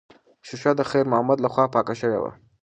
ښیښه د خیر محمد لخوا پاکه شوې وه.